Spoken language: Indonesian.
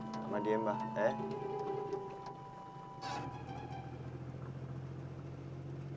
sama dia mbah ya